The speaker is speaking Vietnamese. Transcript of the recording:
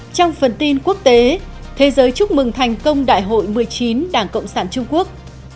trong phần tin quốc tế thế giới chúc mừng thành công đại hội một mươi chín đảng cộng sản trung quốc